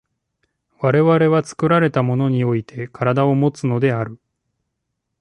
我々は作られたものにおいて身体をもつのである。